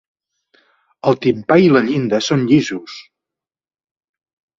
El timpà i la llinda són llisos.